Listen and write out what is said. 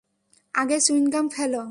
আগে চুইংগাম ফেলো।